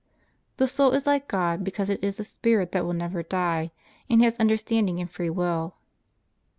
The soul is like God because it is a spirit that will never die, and has understanding and free will.